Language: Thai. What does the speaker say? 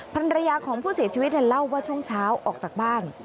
ภรรยาของผู้เสียชีวิตเล่าว่าช่วงเช้าออกจากบ้าน